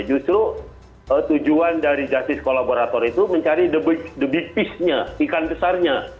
justru tujuan dari justice collaborator itu mencari the big peace nya ikan besarnya